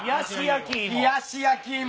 冷やし焼き芋。